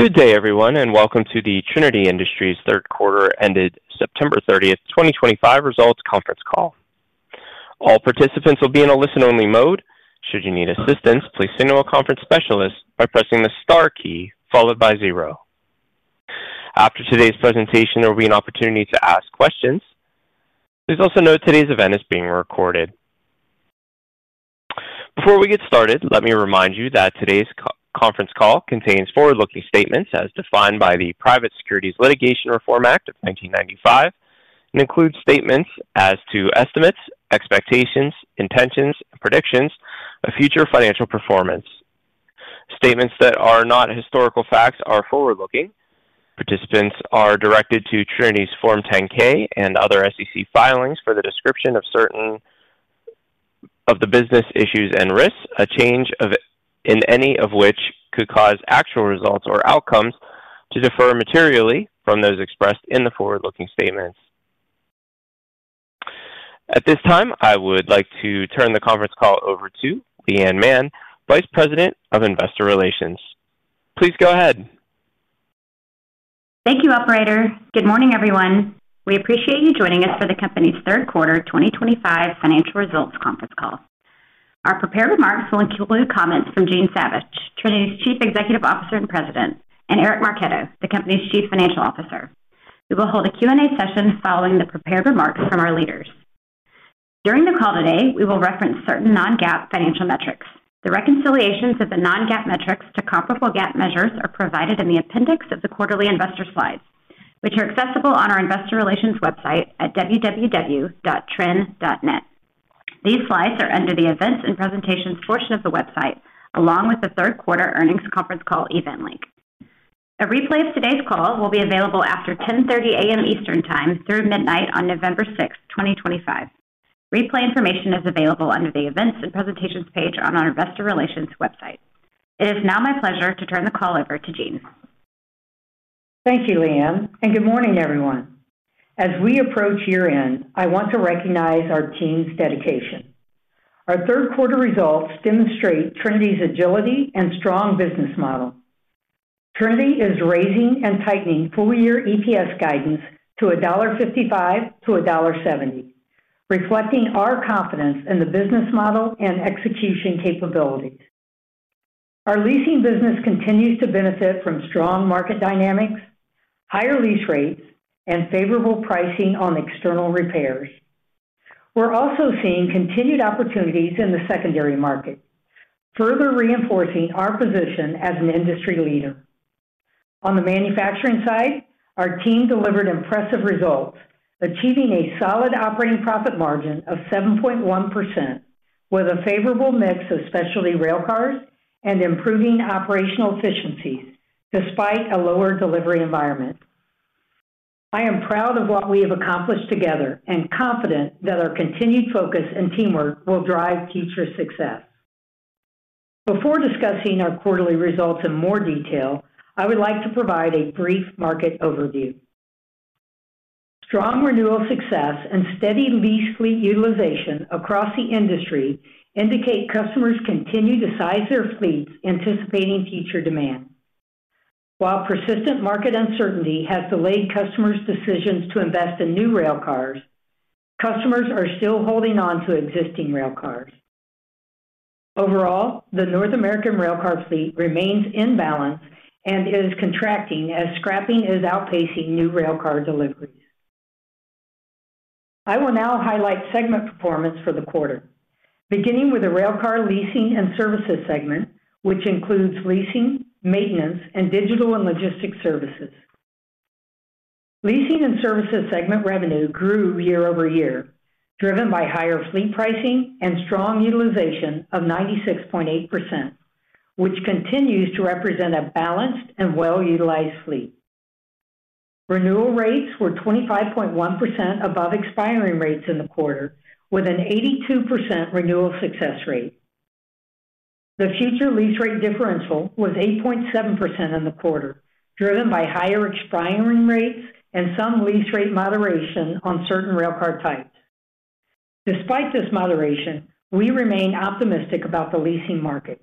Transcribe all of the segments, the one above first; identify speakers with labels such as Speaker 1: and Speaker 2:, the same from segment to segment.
Speaker 1: Good day everyone and welcome to the Trinity Industries third quarter ended September 30, 2025 results conference call. All participants will be in a listen-only mode. Should you need assistance, please signal a conference specialist by pressing the star key followed by zero. After today's presentation, there will be an opportunity to ask questions. Please also note today's event is being recorded. Before we get started, let me remind you that this conference call contains forward-looking statements as defined by the Private Securities Litigation Reform Act of 1995 and includes statements as to estimates, expectations, intentions, and predictions of future financial performance. Statements that are not historical facts are forward-looking. Participants are directed to Trinity's Form 10-K and other SEC filings for the description of certain of the business issues and risks, a change in any of which could cause actual results or outcomes to differ materially from those expressed in the forward-looking statements. At this time, I would like to turn the conference call over to Leigh Anne Mann, Vice President of Investor Relations. Please go ahead.
Speaker 2: Thank you, operator. Good morning, everyone. We appreciate you joining us for the company's third quarter 2025 financial results conference call. Our prepared remarks will include comments from Jean Savage, Trinity's Chief Executive Officer and President, and Eric Marchetto, the Company's Chief Financial Officer. We will hold a Q&A session following the prepared remarks from our leaders. During the call today, we will reference certain non-GAAP financial metrics. The reconciliations of the non-GAAP metrics to comparable GAAP measures are provided in the appendix of the quarterly investor slides, which are accessible on our Investor Relations website at www.trin.net. These slides are under the Events and Presentations portion of the website along with the third quarter earnings conference call event link. A replay of today's call will be available after 10:30 A.M. Eastern Time through midnight on November 6, 2025. Replay information is available under the Events and Presentations page on our Investor Relations website. It is now my pleasure to turn the call over to Jean.
Speaker 3: Thank you, Leigh Anne, and good morning, everyone. As we approach year end, I want to recognize our team's dedication. Our third quarter results demonstrate Trinity's agility and strong business model. Trinity is raising and tightening full year EPS guidance to $1.55-$1.70, reflecting our confidence in the business model and execution capabilities. Our leasing business continues to benefit from strong market dynamics, higher lease rates, and favorable pricing on external repairs. We're also seeing continued opportunities in the secondary market, further reinforcing our position as an industry leader. On the manufacturing side, our team delivered impressive results, achieving a solid operating profit margin of 7.1% with a favorable mix of specialty railcars and improving operational efficiencies despite a lower delivery environment. I am proud of what we have accomplished together and confident that our continued focus and teamwork will drive future success. Before discussing our quarterly results in more detail, I would like to provide a brief market overview. Strong renewal success and steady lease fleet utilization across the industry indicate customers continue to size their fleets anticipating future demand. While persistent market uncertainty has delayed customers' decisions to invest in new railcars, customers are still holding on to existing railcars. Overall, the North American railcar fleet remains in balance and is contracting as scrapping is outpacing new railcar deliveries. I will now highlight segment performance for the quarter, beginning with the Railcar Leasing and Services segment, which includes leasing, maintenance, and digital and logistics services. Leasing and Services segment revenue grew year-over-year, driven by higher fleet pricing and strong utilization of 96.8%, which continues to represent a balanced and well-utilized fleet. Renewal rates were 25.1% above expiring rates in the quarter, with an 82% renewal success rate. The future lease rate differential was 8.7% in the quarter, driven by higher expiring rates and some lease rate moderation on certain railcar types. Despite this moderation, we remain optimistic about the leasing market.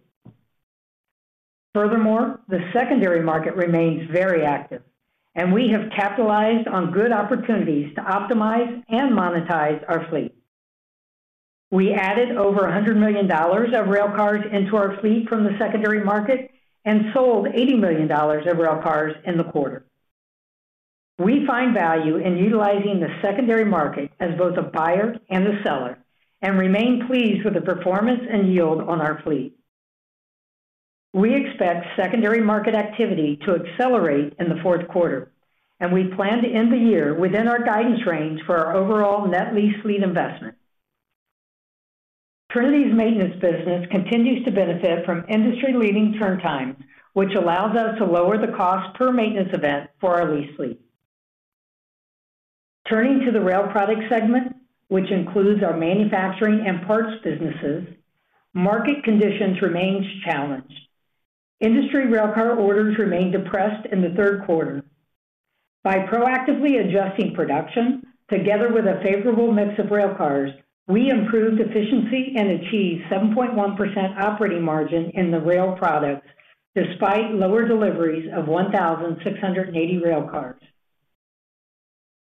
Speaker 3: Furthermore, the secondary market remains very active, and we have capitalized on good opportunities to optimize and monetize our fleet. We added over $100 million of railcars into our fleet from the secondary market and sold $80 million of railcars in the quarter. We find value in utilizing the secondary market as both a buyer and a seller and remain pleased with the performance and yield on our fleet. We expect secondary market activity to accelerate in the fourth quarter, and we plan to end the year within our guidance range for our overall net lease fleet investment. Trinity's maintenance business continues to benefit from industry-leading turn times, which allows us to lower the cost per maintenance event for our lease fleet. Turning to the Rail Products segment, which includes our manufacturing and parts businesses, market conditions remain challenged. Industry railcar orders remained depressed in the third quarter. By proactively adjusting production together with a favorable mix of railcars, we improved efficiency and achieved 7.1% operating margin in the Rail Products despite lower deliveries of 1,680 railcars.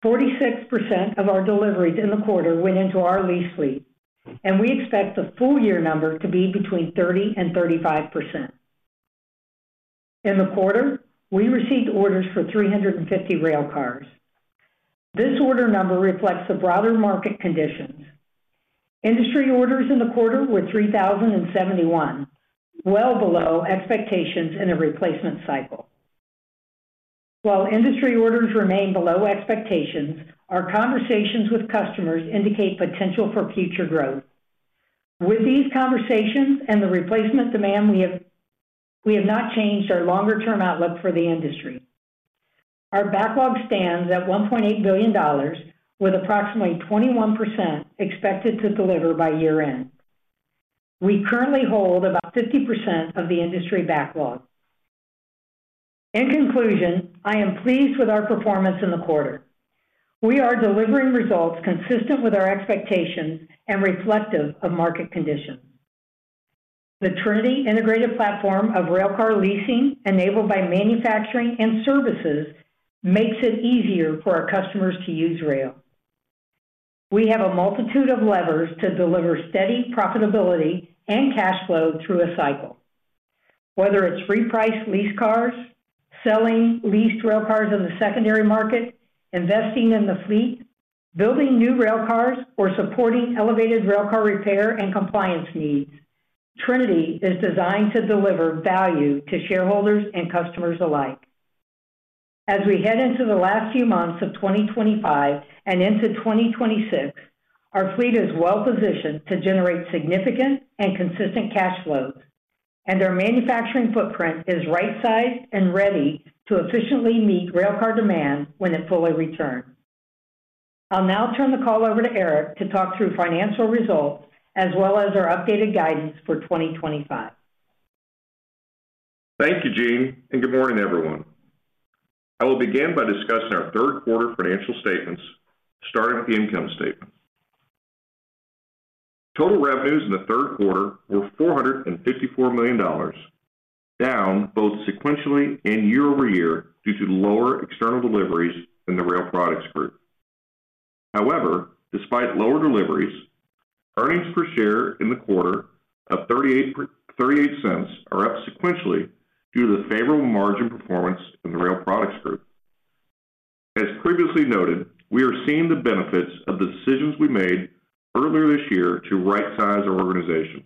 Speaker 3: 46% of our deliveries in the quarter went into our lease fleet, and we expect the full year number to be between 30% and 35%. In the quarter, we received orders for 350 railcars. This order number reflects the broader market conditions. Industry orders in the quarter were 3,071, well below expectations in a replacement cycle. While industry orders remain below expectations, our conversations with customers indicate potential for future growth. With these conversations and the replacement demand, we have not changed our longer term outlook for the industry. Our backlog stands at $1.8 billion with approximately 21% expected to deliver by year end. We currently hold about 50% of the industry backlog. In conclusion, I am pleased with our performance in the quarter. We are delivering results consistent with our expectations and reflective of market conditions. The Trinity integrated platform of railcar leasing enabled by manufacturing and services makes it easier for our customers to use rail. We have a multitude of levers to deliver steady profitability and cash flow through a cycle. Whether it's repriced leased cars, selling leased railcars in the secondary market, investing in the fleet, building new railcars, or supporting elevated railcar repair and compliance needs, Trinity is designed to deliver value to shareholders and customers alike. As we head into the last few months of 2025 and into 2026, our fleet is well-positioned to generate significant and consistent cash flows and their manufacturing footprint is right sized and ready to efficiently meet railcar demand when it fully returns. I'll now turn the call over to Eric to talk through financial results as well as our updated guidance for 2025.
Speaker 4: Thank you, Jean, and good morning, everyone. I will begin by discussing our third quarter financial statements, starting with the income statement. Total revenues in the third quarter were $454 million, down both sequentially and year-over-year due to lower external deliveries than the Rail Products Group. However, despite lower deliveries, earnings per share in the quarter of $0.38 are up sequentially due to the favorable margin performance in the Rail Products Group. As previously noted, we are seeing the benefits of the decisions we made earlier this year to rightsize our organization.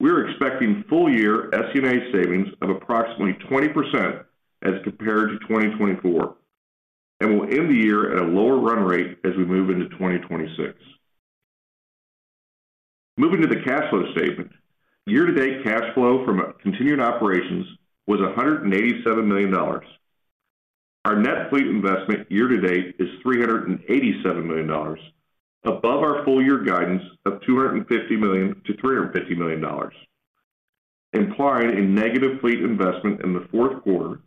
Speaker 4: We are expecting full year SG&A savings of approximately 20% as compared to 2024 and will end the year at a lower run rate as we move into 2026. Moving to the cash flow statement, year to date cash flow from continuing operations was $187 million. Our net fleet investment year to date is $387 million, above our full year guidance of $250 million-$350 million, implying a negative fleet investment in the fourth quarter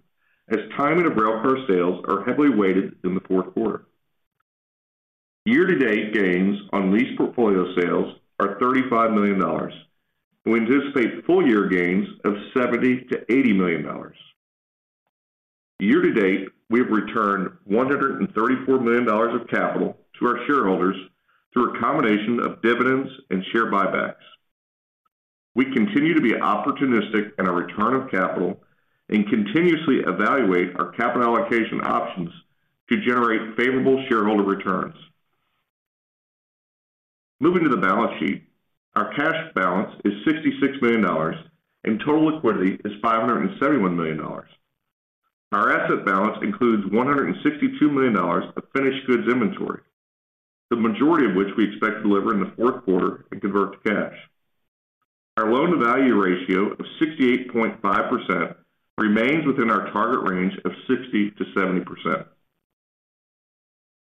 Speaker 4: as timing of railcar sales are heavily weighted in the fourth quarter. Year to date gains on lease portfolio sales are $35 million. We anticipate full year gains of $70 million-$80 million. Year to date, we have returned $134 million of capital to our shareholders through a combination of dividends and share buybacks. We continue to be opportunistic in our return of capital and continuously evaluate our capital allocation options to generate favorable shareholder returns. Moving to the balance sheet, our cash balance is $66 million and total liquidity is $571 million. Our asset balance includes $162 million of finished goods inventory, the majority of which we expect to deliver in the fourth quarter and convert to cash. Our loan to value ratio of 68.5% remains within our target range of 60%-70%.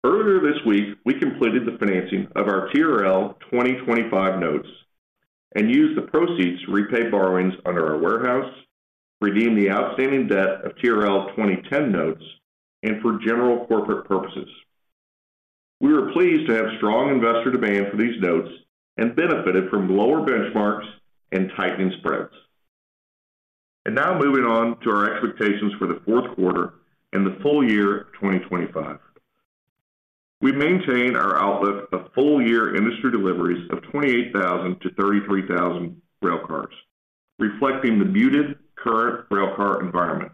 Speaker 4: Earlier this week, we completed the financing of our TRL 2025 Notes and used the proceeds to repay borrowings under our warehouse, redeem the outstanding debt of TRL 2010 Notes, and for general corporate purposes. We were pleased to have strong investor demand for these notes and benefited from lower benchmarks and tightening spreads. Now, moving on to our expectations for the fourth quarter and the full year 2025, we maintain our outlook of full year industry deliveries of 28,000-33,000 railcars, reflecting the muted current railcar environment.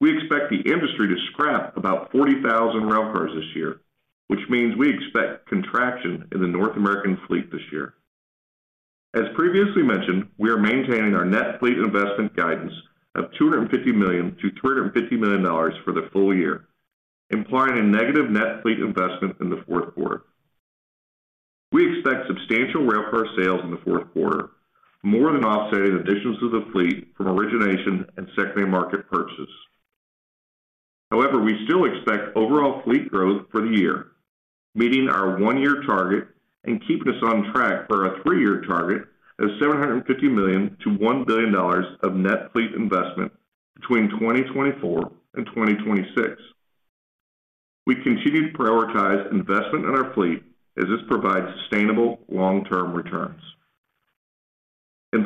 Speaker 4: We expect the industry to scrap about 40,000 railcars this year, which means we expect contraction in the North American fleet this year. As previously mentioned, we are maintaining our net fleet investment guidance of $250 million-$350 million for the full year, implying a negative net fleet investment in the fourth quarter. We expect substantial railcar sales in the fourth quarter, more than offsetting additions to the fleet from origination and secondary market purchases. However, we still expect overall fleet growth for the year, meeting our one year target and keeping us on track for a three-year target of $750 million-$1 billion of net fleet investment between 2024 and 2026. We continue to prioritize investment in our fleet as this provides sustainable long-term returns.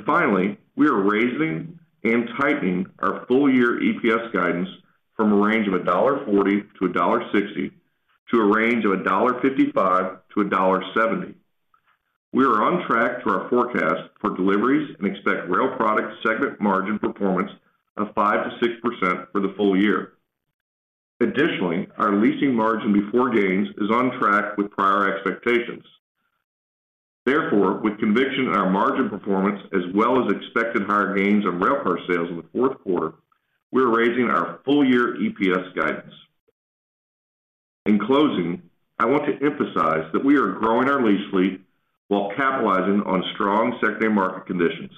Speaker 4: Finally, we are raising and tightening our full year EPS guidance from a range of $1.40-$1.60 to a range of $1.55-$1.70. We are on track to our forecast for deliveries and expect Rail Products segment margin performance of 5%-6% for the full year. Additionally, our leasing margin before gains is on track with prior expectations. Therefore, with conviction, our margin performance as well as expected higher gains on railcar sales in the fourth quarter, we are raising our full year EPS guidance. In closing, I want to emphasize that we are growing our lease fleet while capitalizing on strong secondary market conditions.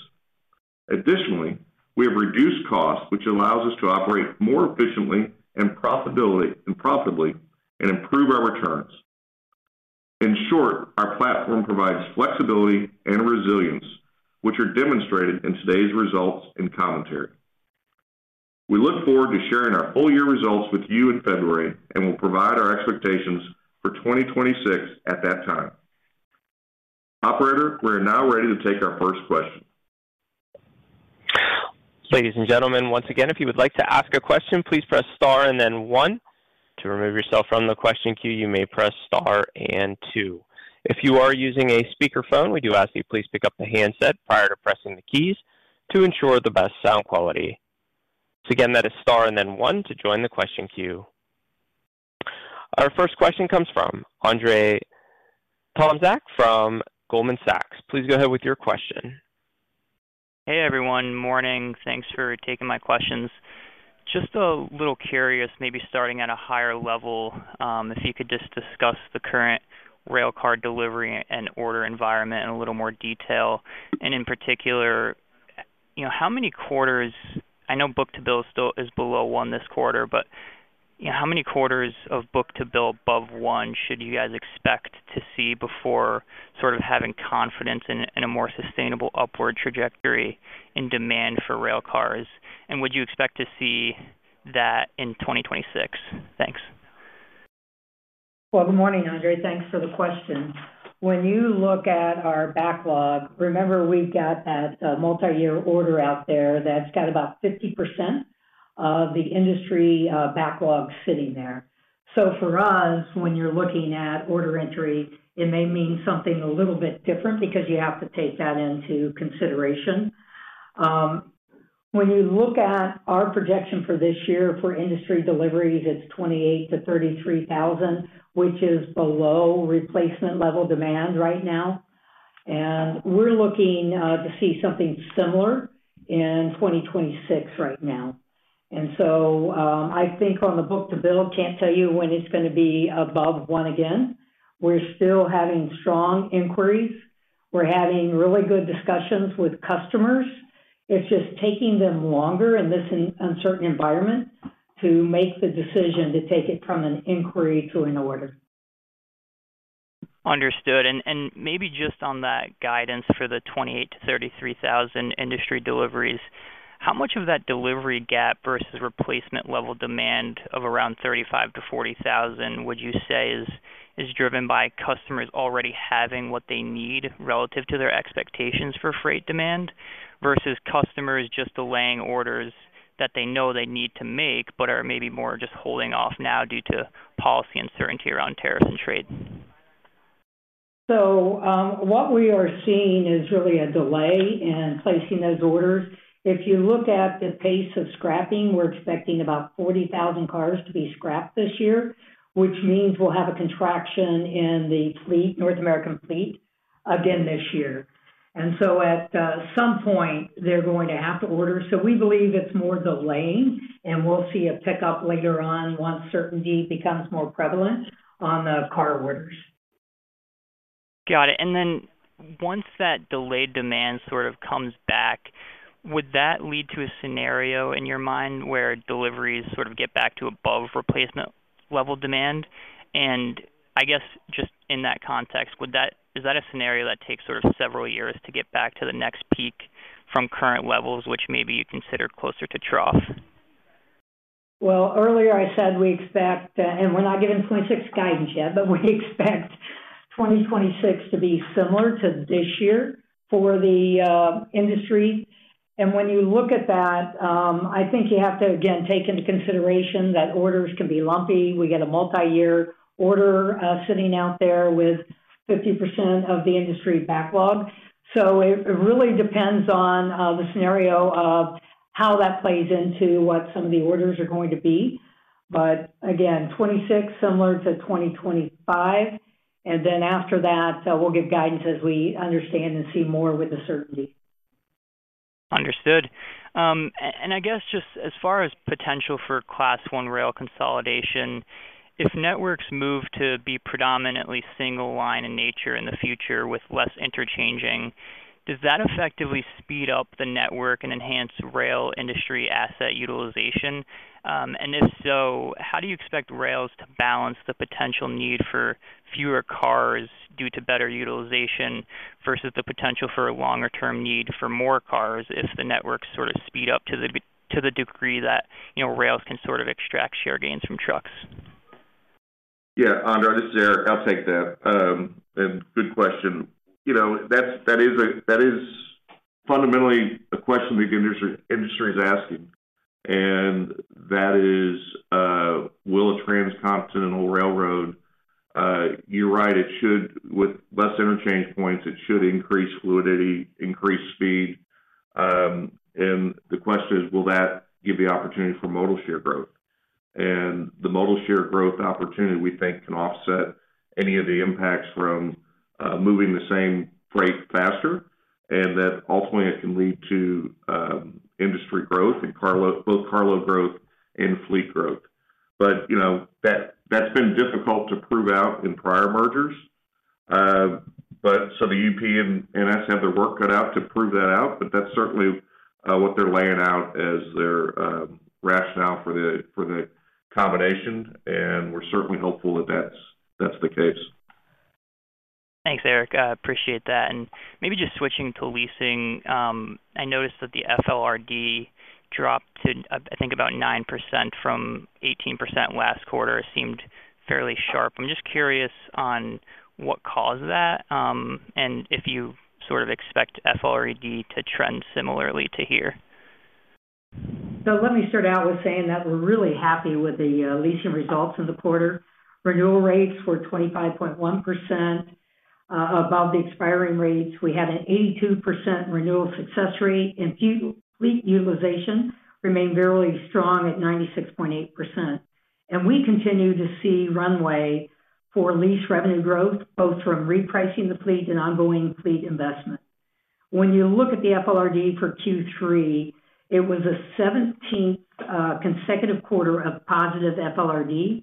Speaker 4: Additionally, we have reduced cost, which allows us to operate more efficiently and profitably and improve our returns. In short, our platform provides flexibility and resilience, which are demonstrated in today's results and commentary. We look forward to sharing our full year results with you in February and will provide our expectations for 2026 at that time. Operator, we are now ready to take our first question.
Speaker 1: Ladies and gentlemen, once again, if you would like to ask a question, please press star and then one. To remove yourself from the question queue, you may press star and then two. If you are using a speakerphone, we do ask that you please pick up the handset prior to pressing the keys to ensure the best sound quality. Again, that is star and then one to join the question queue. Our first question comes from Andrzej Tomczyk from Goldman Sachs. Please go ahead with your question.
Speaker 5: Hey everyone. Morning. Thanks for taking my questions. Just a little curious, maybe starting at a higher level, if you could just discuss the current railcar delivery and order environment in a little more detail. In particular, you know how many quarters I know book-to-bill still is below 1 this quarter, but how many quarters of book-to-bill above 1 should you guys expect to see before sort of having confidence in a more sustainable upward trajectory in demand for railcars? Would you expect to see that in 2026? Thanks.
Speaker 3: Good morning, Andrzej. Thanks for the question. When you look at our backlog, remember we've got that multi-year order out there that's got 50% of the industry backlog sitting there. When you're looking at order entry may mean something a little bit different because you have to take that into consideration. When you look at our projection for this year for industry deliveries, it's 28,000-33,000, which is below replacement level demand right now. We're looking to see something similar in 2026 right now. I think on the book-to-bill, can't tell you when it's going to be above 1 again. We're still having strong inquiries. We're having really good discussions with customers. It's just taking them longer in this uncertain environment to make the decision to take it from an inquiry to an order.
Speaker 5: Understood. Maybe just on that guidance, for the 28,000-33,000 industry deliveries, how much of that delivery gap versus replacement level demand of around 35,000-40,000 would you say is driven by customers already having what they need relative to their expectations for freight demand versus customers just delaying orders that they know they need to make but are maybe more just holding off now due to policy uncertainty around tariffs and trade.
Speaker 3: What we are seeing is really a delay in placing those orders. If you look at the pace of scrapping, we're expecting about 40,000 cars to be scrapped this year, which means we'll have a contraction in the North American fleet again this year. At some point they're going to have to order. We believe it's more delaying and we'll see a pickup later on once certainty becomes more prevalent on the car orders.
Speaker 5: Got it. Once that delayed demand sort of comes back, would that lead to a scenario in your mind where deliveries sort of get back to above replacement level demand? In that context, is that a scenario that takes sort of several years to get back to the next peak from current levels, which maybe you consider closer to trough?
Speaker 3: Earlier I said we expect and we're not giving 2026 guidance yet, but we expect 2026 to be similar to this year for the industry. When you look at that, I think you have to again take into consideration that orders can be lumpy. We get a multi-year order sitting out there with 50% of the industry backlog. It really depends on the scenario of how that plays into what some of the orders are going to be. Again, 2026 similar to 2025. After that we'll give guidance as we understand and see more with the certainty.
Speaker 5: Understood. I guess just as far as potential for Class 1 rail consolidation, if networks move to be predominantly single line in nature in the future, with less interchanging, does that effectively speed up the network and enhance rail industry asset utilization? If so, how do you expect rails to balance the potential need for fewer cars due to better utilization versus the potential for a longer term need for more cars if the network sort of speeds up to the degree that rails can sort of extract share gains from trucks?
Speaker 4: Yeah, Andrzej, this is Eric. I'll take that and good question. You know, that is fundamentally a question the industry is asking and that is will a transcontinental railroad. You're right, it should. With less interchange points, it should increase fluidity, increase speed. The question is, will that give the opportunity for modal share growth? The modal share growth opportunity, we think, can offset any of the impacts from moving the same freight faster. Ultimately, it can lead to industry growth and both carload growth and fleet growth. You know, that's been difficult to prove out in prior mergers. The [UP and US] have their work cut out to prove that out. That's certainly what they're laying out as their rationale for the combination. We're certainly hopeful that that's the case.
Speaker 5: Thanks, Eric. Appreciate that. Maybe just switching to leasing, I noticed that the FLRD dropped to, I think, about 9% from 18% last quarter. It seemed fairly sharp. I'm just curious on what caused that and if you sort of expect FLRD to trend similarly to here.
Speaker 3: Let me start out with saying that we're really happy with the leasing results. In the quarter, renewal rates were 25.1% above the expiring rates. We had an 82% renewal success rate, and fleet utilization remained very strong at 96.8%. We continue to see runway for lease revenue growth both from repricing the fleet and ongoing fleet investment. When you look at the FLRD for Q3, it was the 17th consecutive quarter of positive FLRD.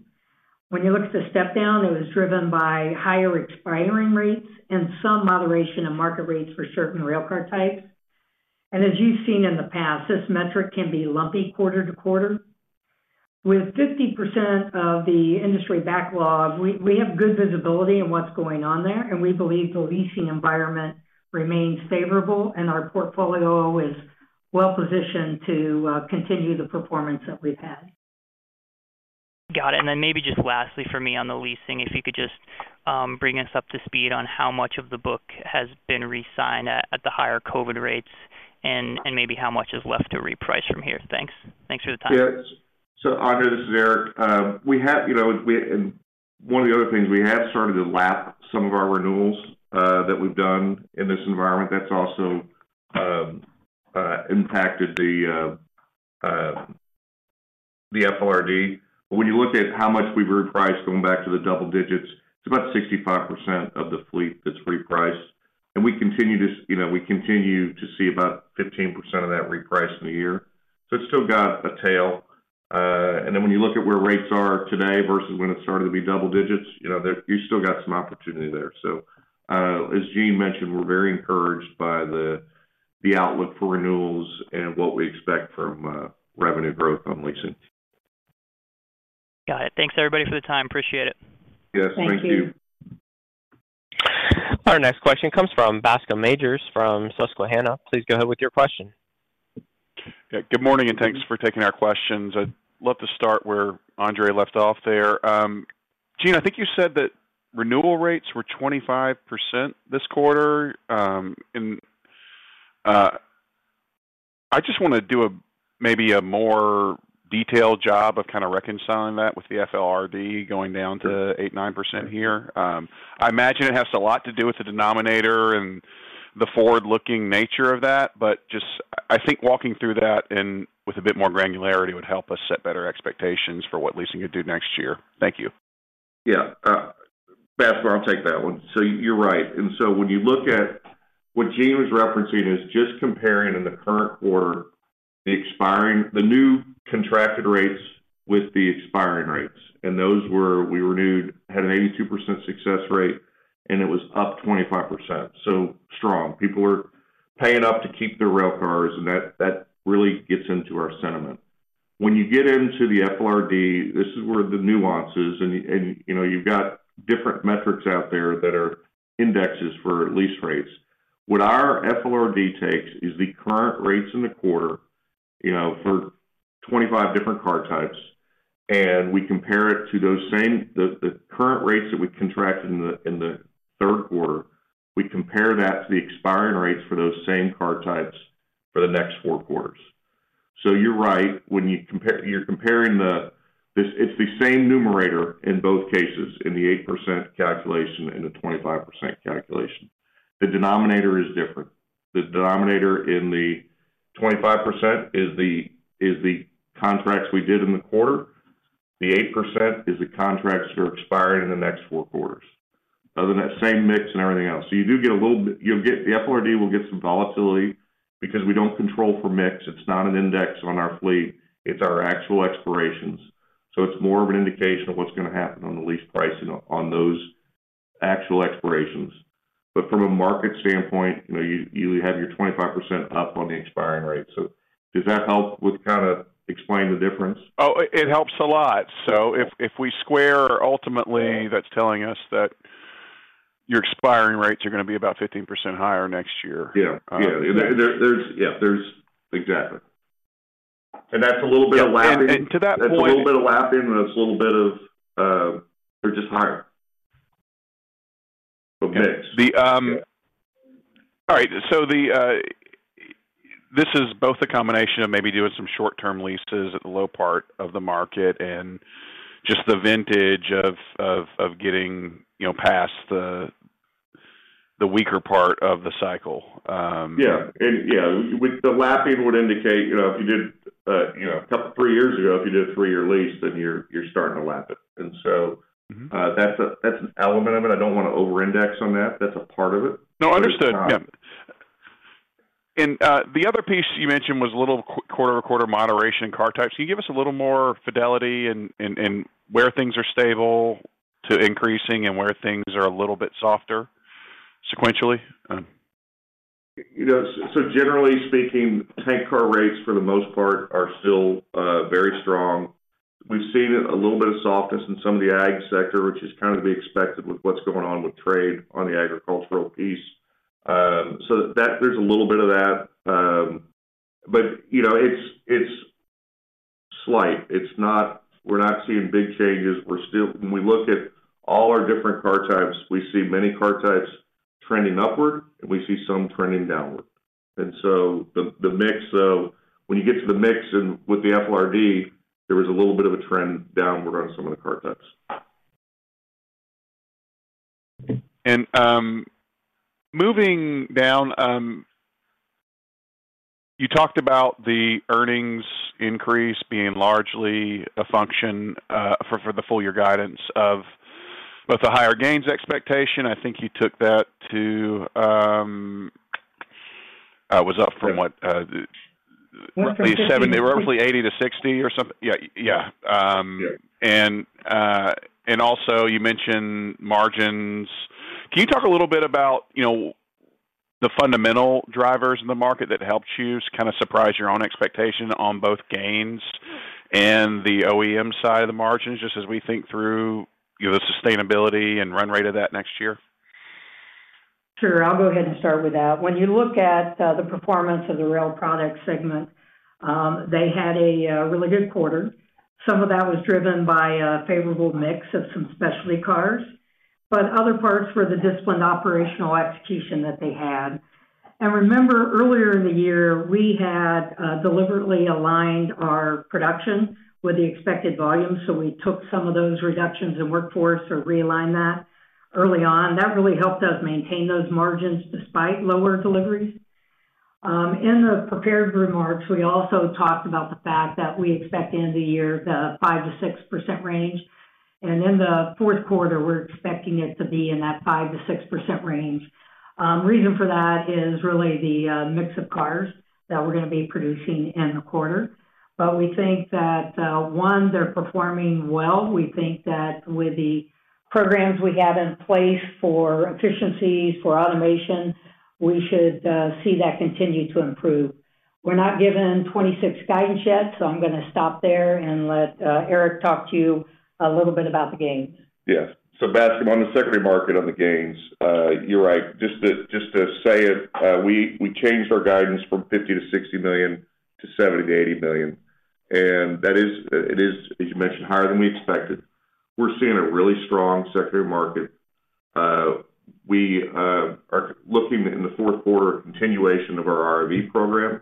Speaker 3: When you look at the step down, it was driven by higher expiring rates and some moderation in market rates for certain railcar types. As you've seen in the past, this metric can be lumpy quarter to quarter. With 50% of the industry backlog, we have good visibility in what's going on there, and we believe the leasing environment remains favorable and our portfolio is well-positioned to continue the performance that we've had.
Speaker 5: Got it. Lastly for me on the leasing, if you could just bring us up to speed on how much of the book has been re-signed at the higher COVID rates and maybe how much is left to reprice from here. Thanks. Thanks for the time.
Speaker 4: Yes. So, Andrzej, this is Eric. We have one of the other things we have started to lap some of our renewals that we've done in this environment that's also impacted the FLRD. When you look at how much we've repriced going back to the double digits, it's about 65% of the fleet that's repriced. We continue to see about 15% of that repriced in the year, so it's still got a tail. When you look at where rates are today versus when it started to be double digits, you still got some opportunity there. As Jean mentioned, we're very encouraged by the outlook for renewals and what we expect from revenue growth on leasing.
Speaker 5: Got it. Thanks everybody for the time. Appreciate it.
Speaker 4: Yes, thank you.
Speaker 3: Thank you.
Speaker 1: Our next question comes from Bascome Majors from Susquehanna. Please go ahead with your question.
Speaker 6: Good morning and thanks for taking our questions. I'd love to start where Andrzej left off there. Jean, I think you said that renewal rates were 25% this quarter. I just want to do maybe a more detailed job of kind of reconciling that with the FLRD going down to 8%, 9% here. I imagine it has a lot to with the denominator and the forward-looking nature of that, I think walking through that with a bit more granularity would help us set better expectations for what leasing could do next year. Thank you.
Speaker 4: Yeah, Bascome, I'll take that one. You're right. When you look at what Jean was referencing, it's just comparing in the current quarter the new contracted rates with the expiring rates, and those where we renewed had an 82% success rate and it was up 25%. Strong, people are paying up to keep their railcars. That really gets into our sentiment. When you get into the FLRD, this is where the nuances are and you've got different metrics out there that are indexes for lease rates. What our FLRD takes is the current rates in the quarter for 25 different car types, and we compare it to those same current rates that we contracted in the third quarter. We compare that to the expiring rates for those same car types for the next four quarters. You're right. When you compare, you're comparing the same numerator in both cases. In the 8% calculation and the 25% calculation, the denominator is different. The denominator in the 25% is the contracts we did in the quarter. The 8% is the contracts that are expiring in the next four quarters. Other than that, same mix and everything else. You do get a little bit, you'll get, the FLRD will get some volatility because we don't control for mix. It's not an index on our fleet, it's our actual expirations. It's more of an indication of what's going to happen on the lease pricing on those actual expirations. From a market standpoint, you have your 25% up on the expiring rate. Does that help with kind of explain the difference?
Speaker 6: Oh, it helps a lot. If we square ultimately, that's telling us that your expiring rates are going to be about 15% higher next year.
Speaker 4: Yeah, there's exactly. That's a little bit of lapping, a little bit of lapping, and it's a little bit of, they're just higher.
Speaker 6: All right, so this is both a combination of maybe doing some short-term leases at the low part of the market and just the vintage of getting past the weaker part of the cycle.
Speaker 4: The lapping would indicate, you know, if you did, you know, a couple, three years ago, if you did a three-year lease, then you're starting to lap it. That's an element of it. I don't want to over index on that. That's a part of it.
Speaker 6: No. Understood. Yeah. The other piece you mentioned was a little quarter-to-quarter moderation in car types. Can you give us a little more fidelity in where things are stable to increasing and where things are a little bit softer sequentially?
Speaker 4: You know, so generally speaking, tank car rates for the most part are still very strong. We've seen a little bit of softness in some of the ag sector, which is kind of to be expected with what's going on with trade on the agricultural piece. There's a little bit of that. You know, it's slight. We're not seeing big changes. We're still, when we look at all our different car types, we see many car types trending upward and we see some trending downward. The mix, when you get to the mix and with the FLRD, there was a little bit of a trend downward on some of the car types.
Speaker 6: Moving down, you talked about the earnings increase being largely a function for the full year guidance of both the higher gains expectation. I think you took that to, it was up from what, roughly 80 to 60 or something? Yeah. You mentioned margins. Can you talk a little bit about the fundamental drivers in the market that helped you kind of surprise your own expectation on both gains and the OEM side of the margins, just as we think through the sustainability and run rate of that next year.
Speaker 3: Sure. I'll go ahead and start with that. When you look at the performance of the Rail Products segment, they had a really good quarter. Some of that was driven by a favorable mix of some specialty railcars, but other parts were the disciplined operational execution that they had. Remember earlier in the year we had deliberately aligned our production with the expected volume. We took some of those reductions in workforce or realigned that early on. That really helped us maintain those margins despite lower deliveries. In the prepared remarks, we also talked about the fact that we expect end of the year in the 5%-6% range, and in the fourth quarter we're expecting it to be in that 5%-6% range. The reason for that is really the mix of cars that we're going to be producing in the quarter. We think that, one, they're performing well. We think that with the programs we have in place for efficiencies, for automation, we should see that continue to improve. We're not giving 2026 guidance yet. I'm going to stop there and let Eric talk to you a little bit about the gains.
Speaker 4: Yeah. Bascome, on the secondary market, on the gains, you're right. Just to say it, we changed our guidance from $50 million-$60 million to $70 million-$80 million. That is, as you mentioned, higher than we expected. We're seeing a really strong secondary market. We are looking in the fourth quarter at continuation of our RV program.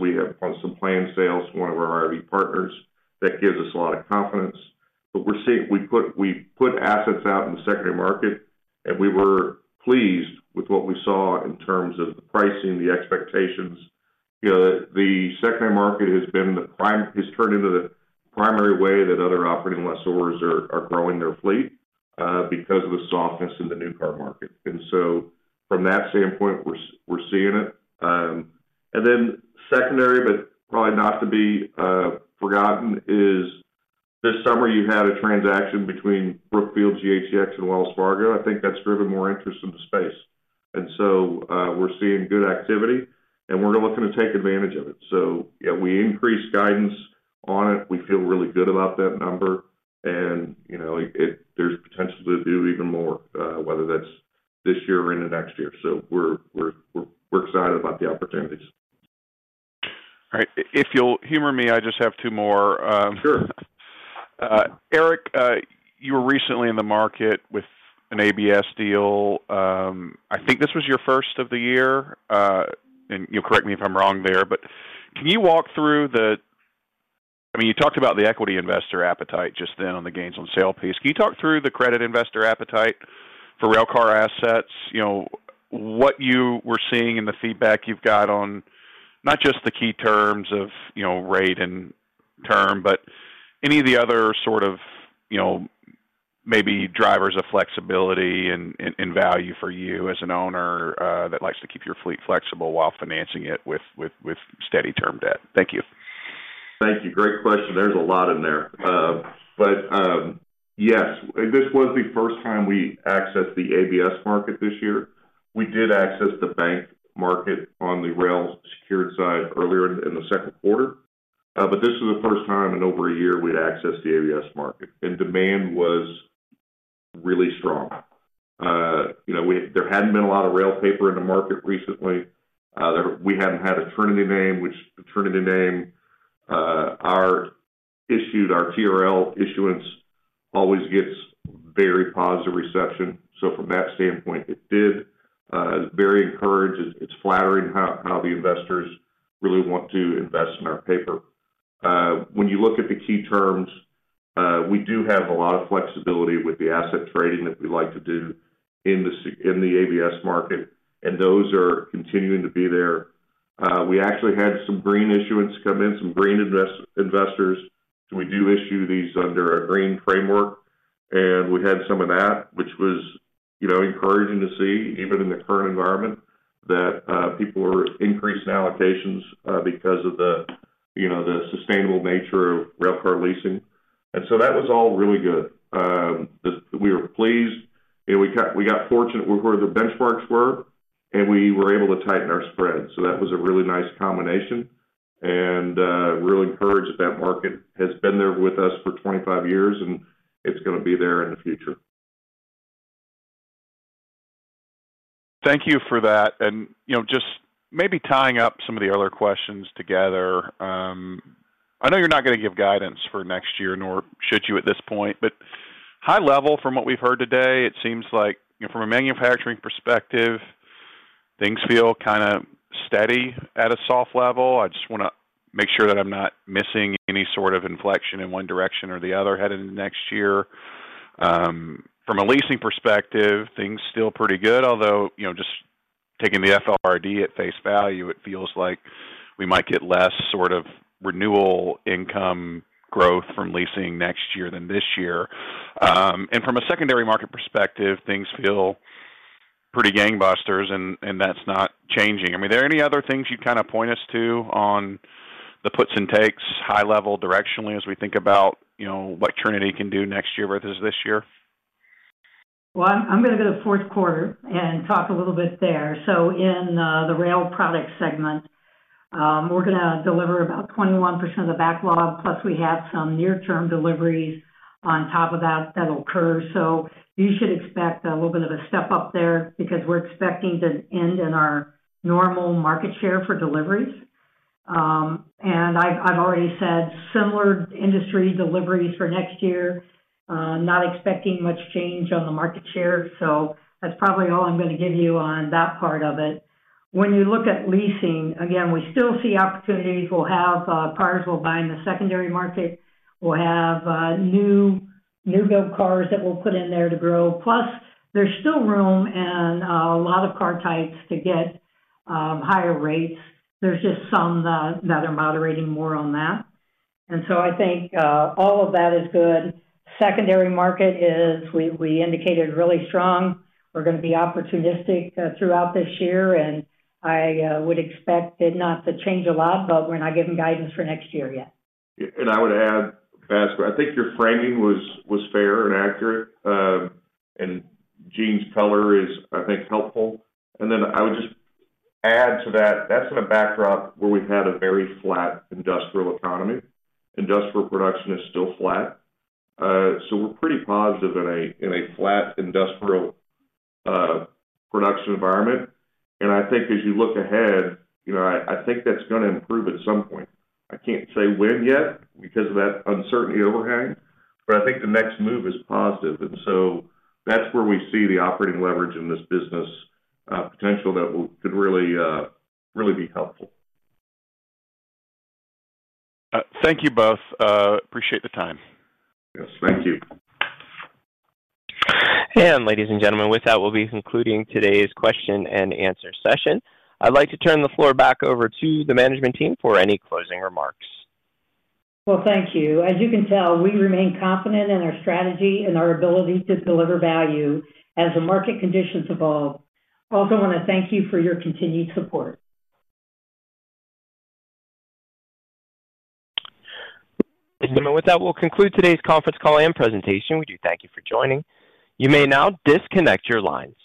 Speaker 4: We have some planned sales from one of our RV partners that gives us a lot of confidence. We're seeing we put assets out in the secondary market and we were pleased with what we saw in terms of the pricing, the expectations. The secondary market has turned into the primary way that other operating lessors are growing their fleet because of the softness in the new car market. From that standpoint, we're seeing it. In the secondary, but probably not to be forgotten is this summer you had a transaction between Brookfield, GHTX, and Wells Fargo. I think that's driven more interest in the space. We're seeing good activity and we're looking to take advantage of it. We increased guidance on it. We feel really good about that number, and you know, there's potential to do even more, whether that's this year or into next year. We're excited about the opportunities.
Speaker 6: If you'll humor me, I just have two more.
Speaker 4: Sure.
Speaker 6: Eric, you were recently in the market with an ABS deal. I think this was your first of the year. You'll correct me if I'm wrong there, but can you walk through the, I mean, you talked about the equity investor appetite just then on the gains on sale piece. Can you talk through the credit investor appetite for railcar assets, what you were seeing in the feedback you've got on not just the key terms of, you know, rate and term, but any of the other sort of, you know, maybe drivers of flexibility and value for you as an owner that likes to keep your fleet flexible while financing it with steady term debt. Thank you.
Speaker 4: Thank you. Great question. There's a lot in there. Yes, this was the first time we accessed the ABS market this year. We did access the bank market on the rail secured side earlier in the second quarter, but this is the first time in over a year we'd accessed the ABS market and demand was really strong. There hadn't been a lot of rail paper in the market recently. We hadn't had a Trinity name, which the Trinity name issued. Our TRL issuance always gets very positive reception. From that standpoint it did very encouraged. It's flattering how the investors really want to invest in our paper. When you look at the key terms, we do have a lot of flexibility with the asset trading that we like to do in the ABS market and those are continuing to be there. We actually had some green issuance come in, some green investors. We do issue these under a green framework and we had some of that, which was encouraging to see even in the current environment that people are increasing allocations because of the sustainable nature of railcar leasing. That was all really good. We were pleased. We got fortunate with where the benchmarks were and we were able to tighten our spread. That was a really nice combination and really encouraged that. That market has been there with us for 25 years and it's going to be there in the future.
Speaker 6: Thank you for that. Maybe tying up some of the other questions together. I know you're not going to give guidance for next year, nor should you at this point. High level, from what we've heard today, it seems like from a manufacturing perspective things feel kind of steady at a soft level. I just want to make sure that I'm not missing any sort of inflection in one direction or the other headed into next year. From a leasing perspective things still pretty good. Although, just taking the FLRD at face value, it feels like we might get less sort of renewal income growth from leasing next year than this year. From a secondary market perspective things feel pretty gangbusters and that's not changing. Are there any other things you kind of point us to on the puts and takes high level directionally as we think about what Trinity can do next year versus this year?
Speaker 3: I'm going to go to fourth quarter and talk a little bit there. In the Rail Products segment, we're going to deliver about 21% of the backlog, plus we have some near-term deliveries on top of that that'll occur. You should expect a little bit of a step up there because we're expecting to end in our normal market share for deliveries, and I've already said similar industry deliveries for next year. Not expecting much change on the market share. That's probably all I'm going to give you on that part of it. When you look at leasing again, we still see opportunities. We'll have partners who will buy in the secondary market. We'll have new build cars that we'll put in there to grow. Plus there's still room in a lot of car types to get higher rates. There's just some that are moderating more on that. I think all of that is good. Secondary market, as we indicated, is really strong. We're going to be opportunistic throughout this year, and I would expect it not to change a lot. We're not giving guidance for next year yet.
Speaker 4: I would add, Bascome, I think your framing was fair and accurate and Jean's color is, I think, helpful. I would just add to that. That's in a backdrop where we've had a very flat industrial economy. Industrial production is still flat. We're pretty positive in a flat industrial production environment. I think as you look ahead, I think that's going to improve at some point. I can't say when yet because of that uncertainty overhang. I think the next move is positive. That's where we see the operating leverage in this business, potential that could really, really be helpful.
Speaker 6: Thank you both. Appreciate the time.
Speaker 4: Yes, thank you.
Speaker 1: Ladies and gentlemen, with that, we'll be concluding today's question-and-answer session. I'd like to turn the floor back over to the management team for any closing remarks.
Speaker 3: Thank you. As you can tell, we remain confident in our strategy and our ability to deliver value as the market conditions evolve. I also want to thank you for your continued support.
Speaker 1: With that, we'll conclude today's conference call and presentation. We do thank you for joining. You may now disconnect your lines.